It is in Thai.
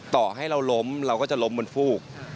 ต่อให้เราล้มเราก็จะล้มบนฟูก